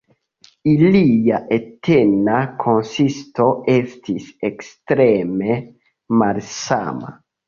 Ilia etna konsisto estis ekstreme malsama.